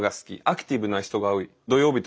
アクティブな人が多い。